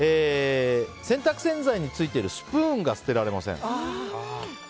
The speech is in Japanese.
洗濯洗剤についているスプーンが捨てられません。